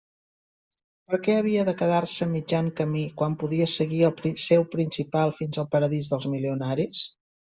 Per què havia de quedar-se a mitjan camí quan podia seguir el seu principal fins al paradís dels milionaris?